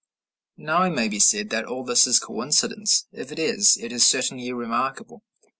Now it may be said that all this is coincidence. If it is, it is certainly remarkable.